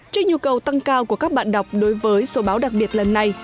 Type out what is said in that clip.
trên nhu cầu tăng cao của các bạn đọc đối với số báo đặc biệt lần này